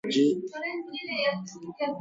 A repeatability of can be obtained.